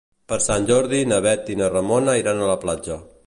Per Sant Jordi na Bet i na Ramona iran a la platja.